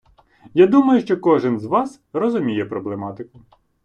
Я думаю, що кожен з вас розуміє проблематику.